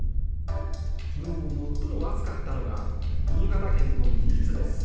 昨日、最も暑かったのが新潟県の新津です。